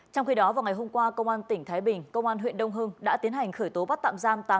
trong khi đó vào ngày hôm qua công an tỉnh thái bình công an huyện đông hưng đã tiến hành khởi tố bắt tạm giam